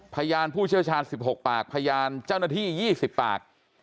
พยานผู้เชี่ยวชาญ๑๖ปากพยานเจ้าหน้าที่๒๐ปาก